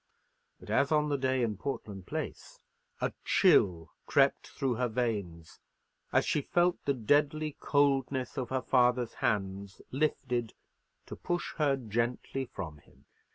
But, as on the day in Portland Place, a chill crept through her veins, as she felt the deadly coldness of her father's hands lifted to push her gently from him.